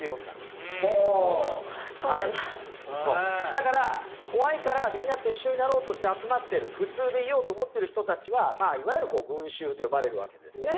だから怖いからみんなと一緒になろうとして集まってる普通でいようと思ってる人たちはいわゆる群衆と呼ばれるわけですね。